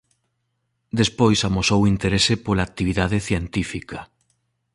Despois amosou interese pola actividade científica.